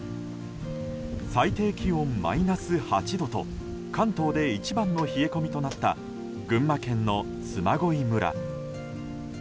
最低気温マイナス８度と関東で一番の冷え込みとなった群馬県の嬬恋村。